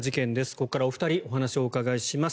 ここからお二人にお話をお伺いします。